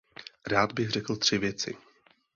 Rád bych řekl tři věci.